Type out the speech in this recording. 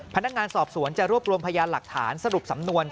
พนักงานสอบสวนจะรวบรวมพยานหลักฐานสรุปสำนวน